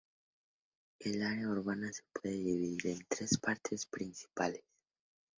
El área urbana se puede dividir en tres partes principales.